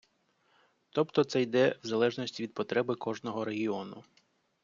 Тобто це йде в залежності від потреби кожного регіону.